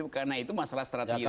karena itu masalah strategi